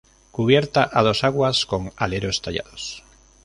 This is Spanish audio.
Cubierta a dos aguas con aleros tallados.